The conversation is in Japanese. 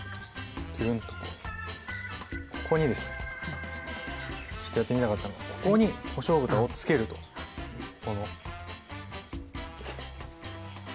ここにですねちょっとやってみたかったのがここにこしょう豚をつけるとこの。